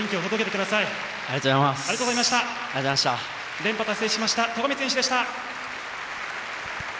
連覇達成しました戸上選手でした。